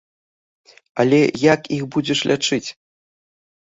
Але як іх будзеш лячыць?